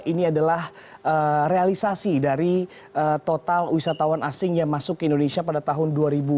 ini adalah realisasi dari total wisatawan asing yang masuk ke indonesia pada tahun dua ribu dua puluh